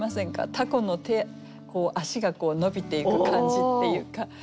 タコの手足が伸びていく感じっていうか。